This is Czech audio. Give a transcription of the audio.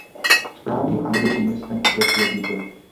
Správním a největším městem okresu je Detroit.